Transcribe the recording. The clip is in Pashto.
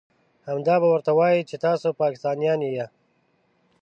همدا به ورته وايئ چې تاسې پاکستانيان ياست.